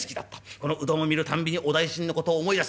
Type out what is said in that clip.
このうどんを見るたんびにお大尽の事を思い出す。